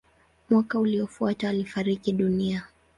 Mwaka uliofuata alifariki dunia.